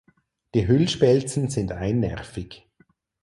Die Hüllspelzen sind einnervig.